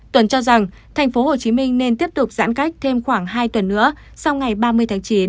tuấn cho rằng thành phố hồ chí minh nên tiếp tục giãn cách thêm khoảng hai tuần nữa sau ngày ba mươi tháng chín